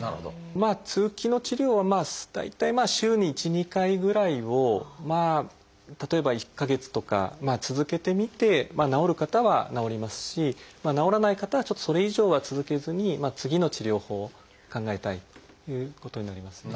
まあ通気の治療は大体まあ週に１２回ぐらいを例えば１か月とか続けてみて治る方は治りますし治らない方はちょっとそれ以上は続けずに次の治療法を考えたいということになりますね。